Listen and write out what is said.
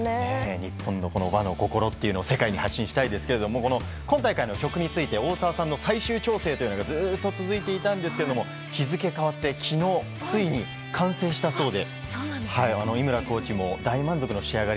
日本の和の心を世界に発信したいですけれども今大会の曲について大沢さんの最終調整がずっと続いていたんですが日付が変わって昨日、ついに完成したそうで。